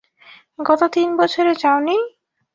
গত তিন বছরে যাও নি?